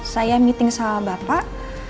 saya meeting sama bapak